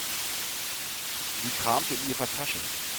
Sie kramte in ihrer Tasche.